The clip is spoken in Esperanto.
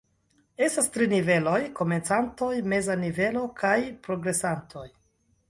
Estas tri niveloj: komencantoj, meza nivelo kaj progresantoj.